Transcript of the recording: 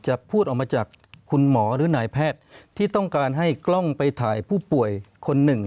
พูดออกมาจากคุณหมอหรือนายแพทย์ที่ต้องการให้กล้องไปถ่ายผู้ป่วยคนหนึ่ง